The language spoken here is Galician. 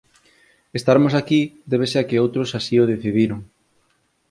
Estarmos aquí débese a que outros así o decidiron.